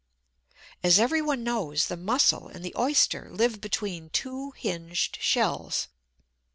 As everyone knows, the Mussel and the Oyster live between two hinged shells.